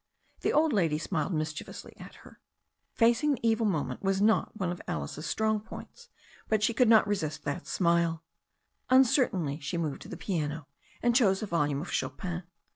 The old lady smiled mischievously at her. Facing the evil moment was not one of Alice's strongf^ points, but she could not resist that smile. Uncertainly she moved to the piano, and chose a volume of Chopin.